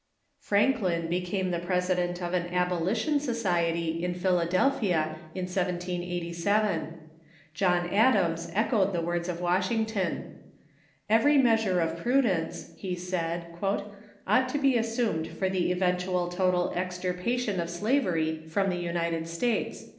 Franklin became the president of an abolition society in Philadelphia in 1787. John Adams echoed the words of Washington : "Every meas ure of prudence," he said, "ought to be assumed for the event ual total extirpation of slavery from the United States."